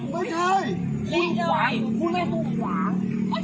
ไม่เคยที่หวังคุณมันต้องหาหลัง